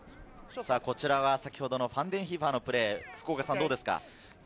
こちらは先ほどのファンデンヒーファーのプレーです。